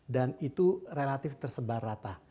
dan itu relatif tersebar rata